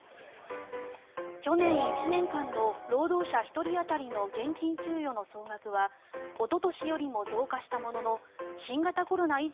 去年１年間の労働者１人当たりの現金給与の総額はおととしよりも増加したものの新型コロナ